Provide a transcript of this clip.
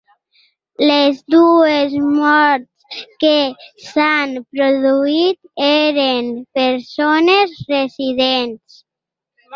Les dues morts que s’han produït eren persones residents.